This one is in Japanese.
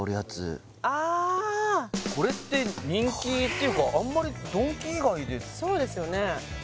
これこれって人気っていうかあんまりそうですよね